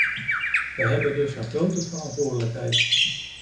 We hebben dus een grote verantwoordelijkheid.